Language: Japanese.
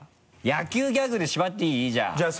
野球ギャグで縛っていい？じゃあ。